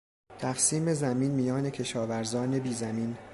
تقسیم زمین میان کشاورزان بیزمین